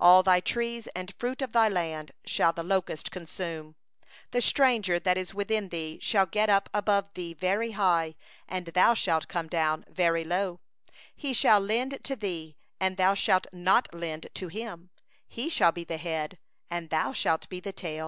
42All thy trees and the fruit of thy land shall the locust possess. 43The stranger that is in the midst of thee shall mount up above thee higher and higher; and thou shalt come down lower and lower. 44He shall lend to thee, and thou shalt not lend to him; he shall be the head, and thou shalt be the tail.